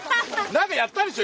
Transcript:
何かやったでしょ